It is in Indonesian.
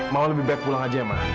ma mau lebih baik pulang saja ma